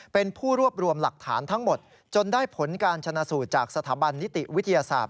เป็นผู้รวบรวมหลักฐานทั้งหมดจนได้ผลการชนะสูตรจากสถาบันนิติวิทยาศาสตร์